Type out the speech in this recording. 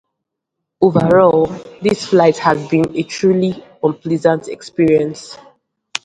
Overall, this flight has been a truly unpleasant experience.